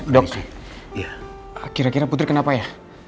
dok kira kira putri kenapa ya